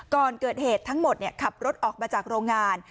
ก่อนเกิดเหตุทั้งหมดขับรถออกมาจากโรงงาน